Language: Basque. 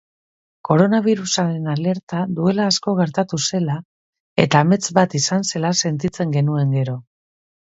Koronabirusaren alerta duela asko gertatu zela eta amets bat izan zela sentitzen genuen gero.